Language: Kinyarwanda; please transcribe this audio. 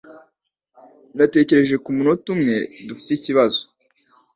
Natekereje kumunota umwe dufite ikibazo.